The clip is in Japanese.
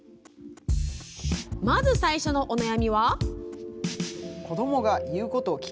まず、最初のお悩みは。